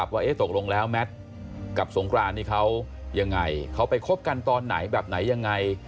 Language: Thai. ว่าตกลงแล้วแมทกับสงครานนี่เขายังไงเขาไปคบกันตอนไหนแบบไหนยังไง